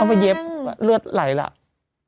ไปเย็บเลือดไหลแล้ว